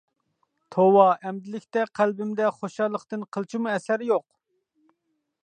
توۋا، ئەمدىلىكتە قەلبىمدە خۇشاللىقتىن قىلچىمۇ ئەسەر يوق.